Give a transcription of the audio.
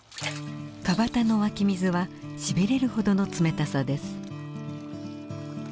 川端の湧き水はしびれるほどの冷たさです。